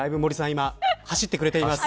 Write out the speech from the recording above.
今、走ってくれています。